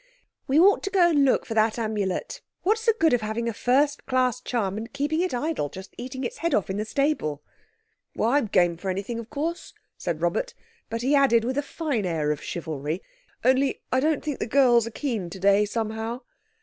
"We ought to go and look for that Amulet. What's the good of having a first class charm and keeping it idle, just eating its head off in the stable." "I'm game for anything, of course," said Robert; but he added, with a fine air of chivalry, "only I don't think the girls are keen today somehow."